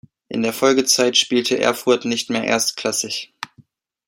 In der Folgezeit spielte Erfurt nicht mehr erstklassig.